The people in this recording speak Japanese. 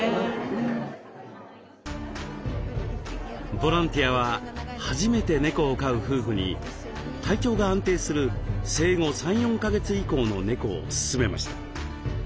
ボランティアは初めて猫を飼う夫婦に体調が安定する生後３４か月以降の猫を勧めました。